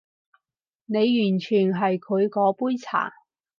你完全係佢嗰杯茶